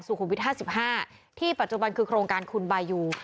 สุขุมวิทย์ห้าสิบห้าที่ปัจจุบันคือโครงการคุณบายู